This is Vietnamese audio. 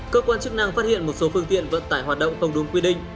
cơ quan chức năng phát hiện một số phương tiện vận tải hoạt động không đúng quy định